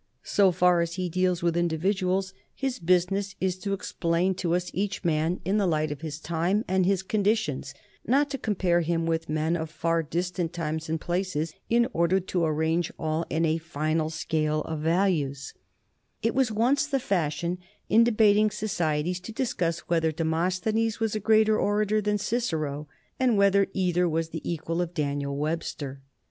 So far as he deals with individuals, his busi ness is to explain to us each man in the light of his time 1 History of the Norman Conquest (third edition), n, pp. 164 67. NORMANDY AND ENGLAND 55 and its conditions, not to compare him with men of far distant times and places in order to arrange all in a final scale of values. It was once the fashion in debating societies to discuss whether Demosthenes was a greater orator than Cicero, and whether either was the equal of Daniel Webster.